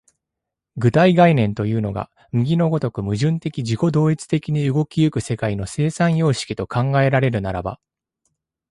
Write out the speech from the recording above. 具体概念というのが右の如く矛盾的自己同一的に動き行く世界の生産様式と考えられるならば、